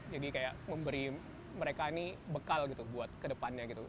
jadi kayak memberi mereka ini bekal buat ke depannya